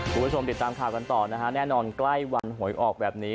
คุณผู้ชมติดตามข่าวกันต่อนะฮะแน่นอนใกล้วันหวยออกแบบนี้